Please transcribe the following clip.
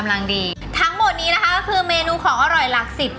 ทั้งหมดนี้นะคะคือเมนูของอร่อยลักษิต